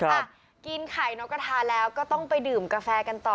อ่ะกินไข่นกกระทาแล้วก็ต้องไปดื่มกาแฟกันต่อ